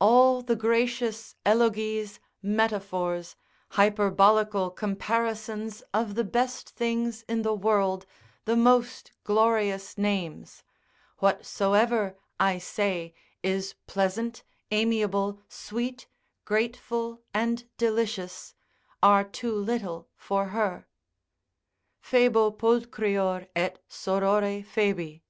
All the gracious elogies, metaphors, hyperbolical comparisons of the best things in the world, the most glorious names; whatsoever, I say, is pleasant, amiable, sweet, grateful, and delicious, are too little for her. Phoebo pulchrior et sorore Phoebi.